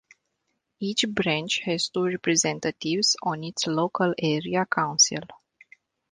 Each branch has two representatives on its local area council.